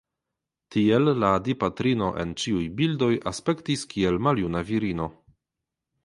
Tiel la Dipatrino en ĉiuj bildoj aspektis kiel maljuna virino.